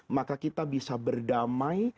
maka kita bisa berdamai